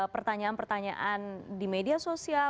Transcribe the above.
pertanyaan pertanyaan di media sosial